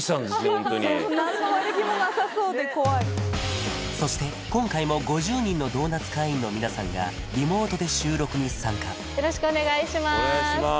ホントに何の悪気もなさそうで怖いそして今回も５０人のドーナツ会員の皆さんがリモートで収録に参加よろしくお願いしますお願いします